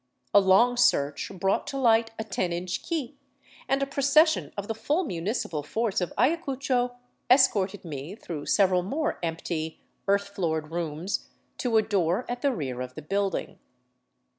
A long search brought to light a ten inch key, and a procession of the full municipal force of Ayacucho escorted me through several more empty, earth floored rooms to a door at the rear of the building.